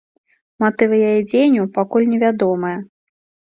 Матывы яе дзеянняў пакуль невядомыя.